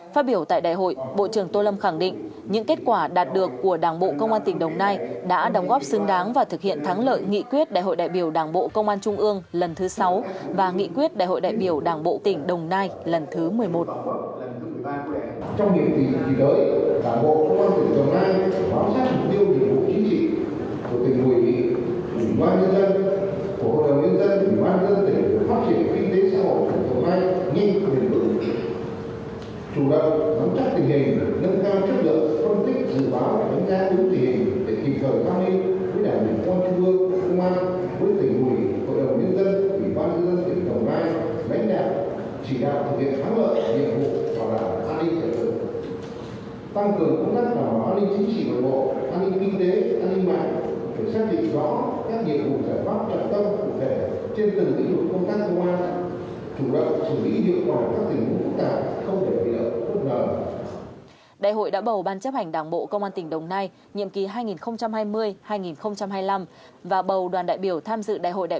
phát biểu tại đại hội bộ trưởng tô lâm khẳng định những kết quả đạt được của đảng bộ công an tỉnh đồng nai đã đóng góp xứng đáng và thực hiện thắng lợi nghị quyết đại hội đại biểu đảng bộ công an trung ương lần thứ sáu và nghị quyết đại hội đại biểu đảng bộ tỉnh đồng nai lần thứ một mươi một